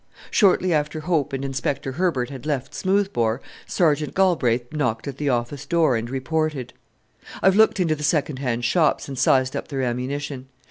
Shortly after Hope and Inspector Herbert had left Smoothbore, Sergeant Galbraith knocked at the office door, and reported. "I've looked into the second hand shops, and sized up their ammunition.